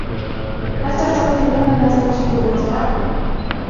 هل تعتقد أننا سنجد بيتها؟